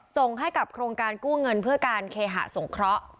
ส่งให้กับโครงการกู้เงินเพื่อการเคหะสงเคราะห์